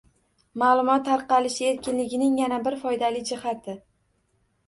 Maʼlumot tarqalishi erkinligining yana bir foydali jihati.